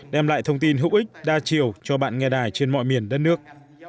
đem lại thông tin hữu ích đa chiều cho bạn nghe đài trên mọi miền đất nước